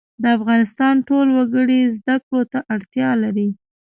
د افغانستان ټول وګړي زده کړو ته اړتیا لري